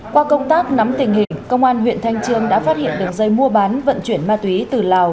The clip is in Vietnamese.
qua công tác nắm tình hình công an huyện thanh trương đã phát hiện đường dây mua bán vận chuyển ma túy từ lào